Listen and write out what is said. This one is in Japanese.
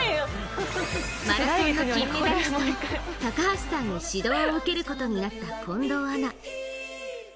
マラソン金メダリスト高橋さんに指導を受けることになった近藤アナ。